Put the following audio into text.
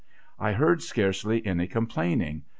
I heard scarcely any complaining.